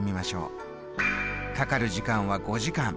かかる時間は５時間。